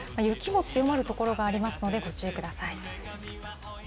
雪も強まる所がありますので、ご注意ください。